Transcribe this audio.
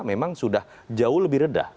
memang sudah jauh lebih rendah